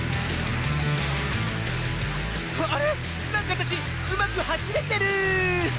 あれ⁉なんかわたしうまくはしれてる！